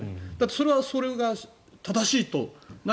それはそれが正しいと。